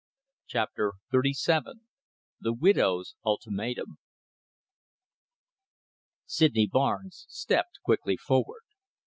CHAPTER XXXVII THE WIDOW'S ULTIMATUM Sydney Barnes stepped quickly forward.